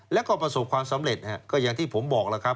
แล้วก็ประสบความสำเร็จก็อย่างที่ผมบอกแล้วครับ